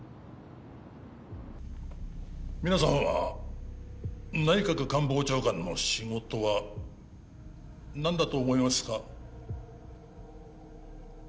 皆さんは内閣官房長官の仕事は何だと思いますか？